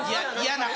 嫌な。